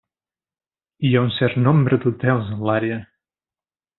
Hi ha un cert nombre d'hotels en l'àrea.